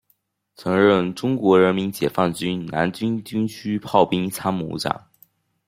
曾任中国人民解放军南京军区炮兵参谋长。